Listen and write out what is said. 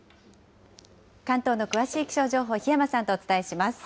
関東の詳しい気象情報、檜山さんとお伝えします。